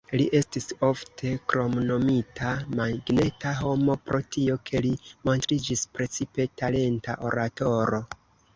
Li estis ofte kromnomita "magneta homo" pro tio, ke li montriĝis precipe talenta oratoro.